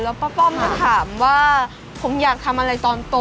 แล้วป้าป้อมก็ถามว่าผมอยากทำอะไรตอนโต